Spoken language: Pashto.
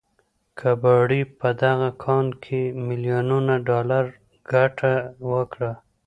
کباړي په دغه کان کې ميليونونه ډالر ګټه وكړه.